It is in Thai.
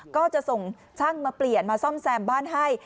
ก็จะส่งช่างมาเปลี่ยนมาซ่อมแซมบ้านให้